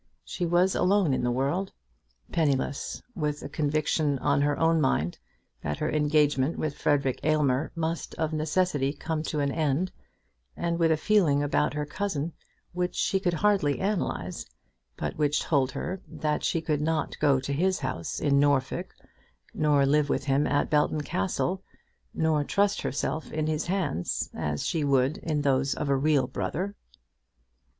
She was alone in the world, penniless, with a conviction on her own mind that her engagement with Frederic Aylmer must of necessity come to an end, and with a feeling about her cousin which she could hardly analyse, but which told her that she could not go to his house in Norfolk, nor live with him at Belton Castle, nor trust herself in his hands as she would into those of a real brother.